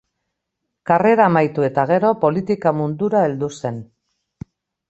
Karrera amaitu eta gero politika mundura heldu zen.